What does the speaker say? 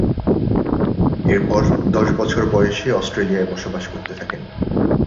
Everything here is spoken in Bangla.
এরপর দশ বছর বয়সে অস্ট্রেলিয়ায় বসবাস করতে থাকেন।